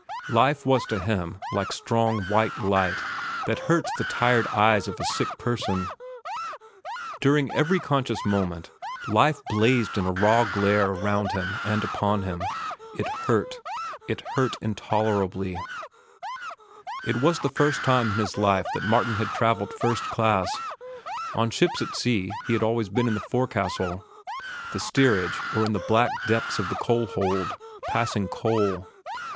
Life was to him like strong, white light that hurts the tired eyes of a sick person. During every conscious moment life blazed in a raw glare around him and upon him. It hurt. It hurt intolerably. It was the first time in his life that Martin had travelled first class. On ships at sea he had always been in the forecastle, the steerage, or in the black depths of the coal hold, passing coal.